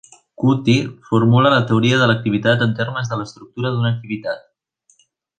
Kuutti formula la teoria de l'activitat en termes de l'estructura d'una activitat.